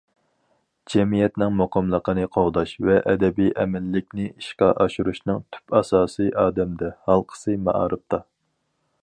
جەمئىيەتنىڭ مۇقىملىقنى قوغداش ۋە ئەبەدىي ئەمىنلىكنى ئىشقا ئاشۇرۇشنىڭ تۈپ ئاساسى ئادەمدە، ھالقىسى مائارىپتا.